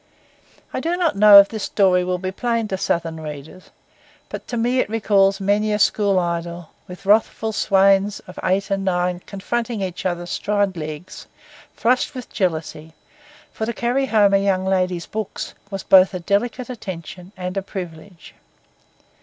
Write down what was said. I do not know if this story will be plain to southern readers; but to me it recalls many a school idyll, with wrathful swains of eight and nine confronting each other stride legs, flushed with jealousy; for to carry home a young lady's books was both a delicate attention and a privilege.